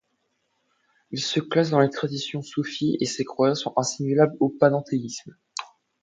Il se classe dans les traditions soufies et ses croyances sont assimilables au panenthéisme.